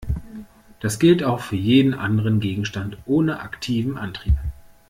Das gilt auch für jeden anderen Gegenstand ohne aktiven Antrieb.